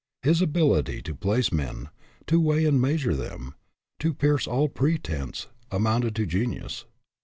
His ability to place men, to weigh and measure them, to pierce all pretense, amounted to genius.